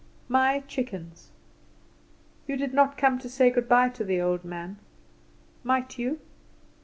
"My Chickens: You did not come to say good bye to the old man. Might you?